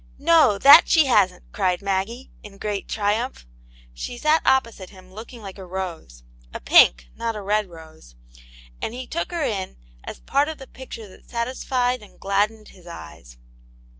"No, that she hasn't!" cried Maggie, in great triumph. She sat opposite him looking like a rose — a pink, not a red rose — and he took her in as a part of the picture that satisfied and gladdened his eyes.